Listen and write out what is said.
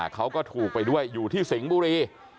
เขาก็ถูกไปด้วยอยู่ที่สิงห์บุรี